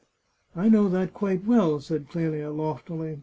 " I know that quite well," said Qelia loftily.